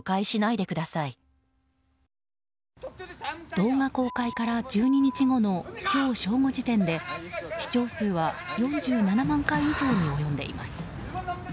動画公開から１２日後の今日正午時点で視聴数は４７万回以上に及んでいます。